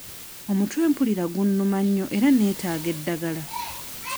Omutwe mpulira gunnuma nnyo era neetaga eddagala.